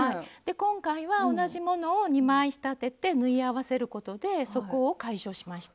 今回は同じものを２枚仕立てて縫い合わせることでそこを解消しました。